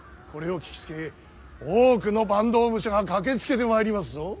これを聞きつけ多くの坂東武者が駆けつけてまいりますぞ。